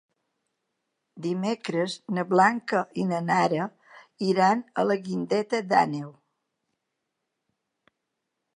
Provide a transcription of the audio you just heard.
Dimecres na Blanca i na Nara iran a la Guingueta d'Àneu.